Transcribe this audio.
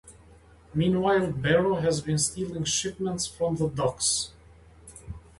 Meanwhile Bero has been stealing shipments from the Docks.